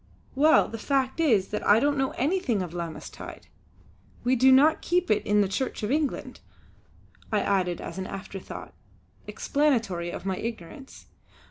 "Well, the fact is that I don't know anything of 'Lammas tide!' We do not keep it in the Church of England," I added as an afterthought, explanatory of my ignorance.